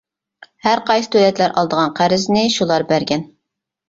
ھەر قايسى دۆلەتلەر ئالىدىغان قەرزنى شۇلار بەرگەن.